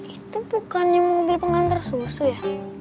itu bukannya mobil pengantar susu ya